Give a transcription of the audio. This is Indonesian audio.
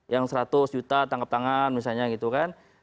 yang seratus juta tangkap tangan misalnya gitu kan